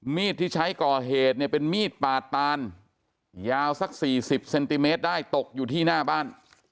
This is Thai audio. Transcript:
มีดที่ใช้ก่อเหตุเนี่ยเป็นมีดปาดตานยาวสัก๔๐เซนติเมตรได้ตกอยู่ที่หน้าบ้าน